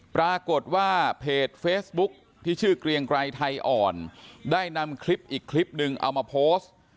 ปรากฏว่าเพจเฟซบุ๊คที่ชื่อเกรียงไกรไทยอ่อนได้นำคลิปอีกคลิปนึงเอามาโพสต์